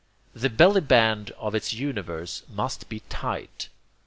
The belly band of its universe must be tight.